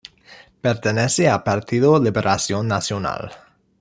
Pertenece al Partido Liberación Nacional.